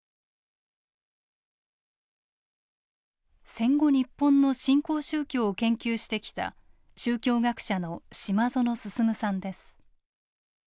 戦後日本の新興宗教を研究してきた宗教学者の島薗進さんです。